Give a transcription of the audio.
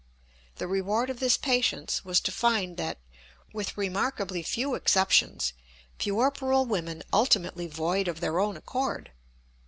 The reward of this patience was to find that, with remarkably few exceptions, puerperal women ultimately void of their own accord.